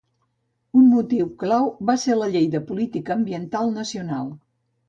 Un motiu clau va ser la Llei de Política Ambiental Nacional.